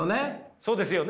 そうですよね。